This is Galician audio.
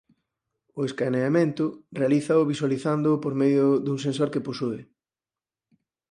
O escaneamento realízao visualizándoo por medio dun sensor que posúe.